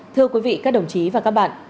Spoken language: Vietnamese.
thưa quý vị các đồng chí và các bạn